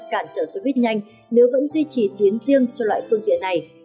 cản trở xe buýt nhanh nếu vẫn duy trì tuyến riêng cho loại phương tiện này